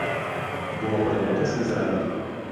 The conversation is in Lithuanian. Buvo parduotas į Izraelį.